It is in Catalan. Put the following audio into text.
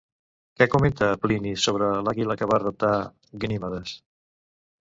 Què comenta Plini sobre l'àguila que va raptar Ganimedes?